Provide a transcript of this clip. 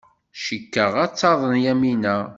Cikkeɣ ad taḍen Yamina.